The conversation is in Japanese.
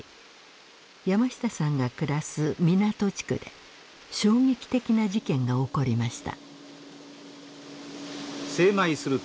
山下さんが暮らす湊地区で衝撃的な事件が起こりました。